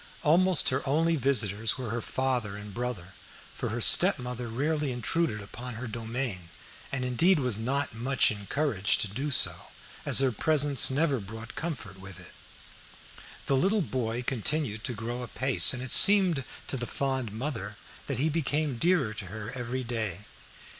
Almost her only visitors were her father and brother, for her stepmother rarely intruded upon her domain, and indeed was not much encouraged to do so, as her presence never brought comfort with it. The little boy continued to grow apace, and it seemed to the fond mother that he became dearer to her every day.